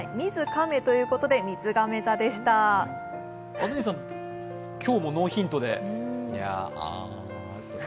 安住さん、今日もノーヒントで。